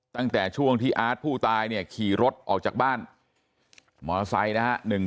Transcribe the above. ตั้งแต่ช่วงที่อาร์ตผู้ตายเนี่ยขี่รถออกจากบ้านมอเตอร์ไซค์นะฮะ